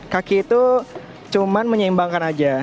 kaki itu cuma menyeimbangkan aja